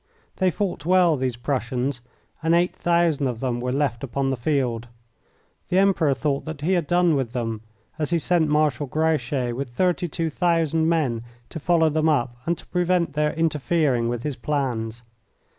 They fought well, these Prussians, and eight thousand of them were left upon the field. The Emperor thought that he had done with them, as he sent Marshal Grouchy with thirty two thousand men to follow them up and to prevent their interfering with his plans.